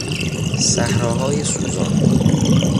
صحراهای سوزان